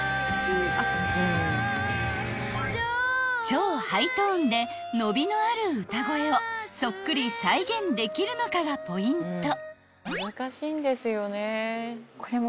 ［超ハイトーンで伸びのある歌声をそっくり再現できるのかがポイント］